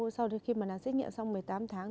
sau khi mà làm xét nghiệm xong một mươi tám tháng